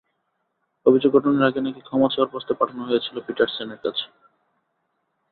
অভিযোগ গঠনের আগে নাকি ক্ষমা চাওয়ার প্রস্তাব পাঠানো হয়েছিল পিটারসেনের কাছে।